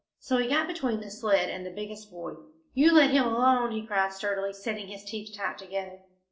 So he got between the sled and the biggest boy. "You let him alone!" he cried sturdily, setting his teeth tight together.